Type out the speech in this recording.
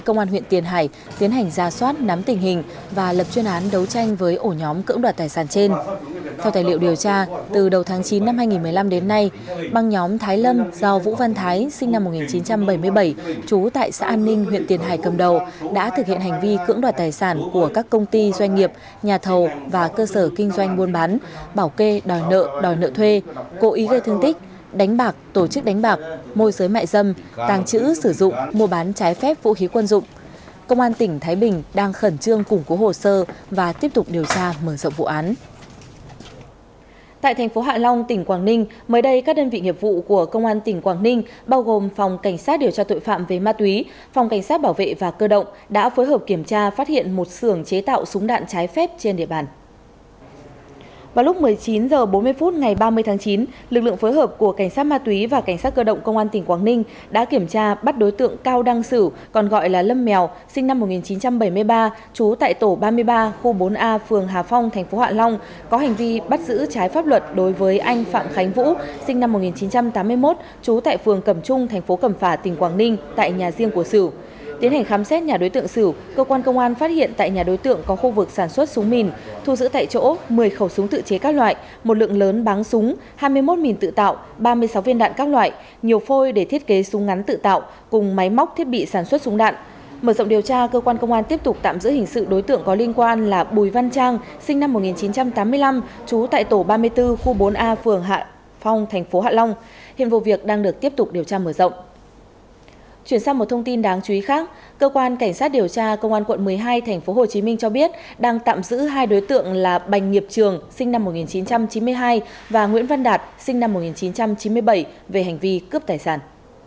chuyển sang một thông tin đáng chú ý khác cơ quan cảnh sát điều tra công an quận một mươi hai tp hcm cho biết đang tạm giữ hai đối tượng là bành nghiệp trường sinh năm một nghìn chín trăm chín mươi hai và nguyễn văn đạt sinh năm một nghìn chín trăm chín mươi bảy về hành vi cướp tài sản